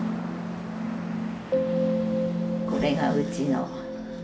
これがうちの。